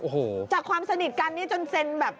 โอ้โหจากความสนิทกันนี่จนเซ็นแบบ